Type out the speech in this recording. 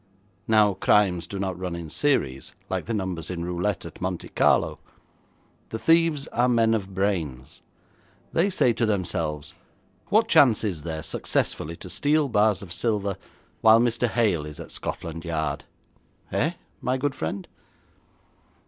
Now crimes do not run in series, like the numbers in roulette at Monte Carlo. The thieves are men of brains. They say to themselves, "What chance is there successfully to steal bars of silver while Mr. Hale is at Scotland Yard?" Eh, my good friend?'